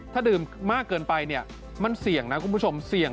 ถ้าดื่มมากเกินไปเนี่ย